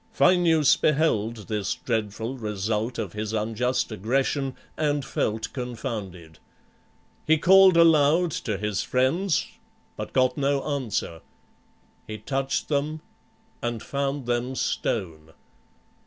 Phineus beheld this dreadful result of his unjust aggression, and felt confounded. He called aloud to his friends, but got no answer; he touched them and found them stone.